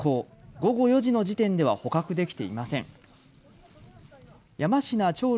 午後４時の時点では捕獲できていません。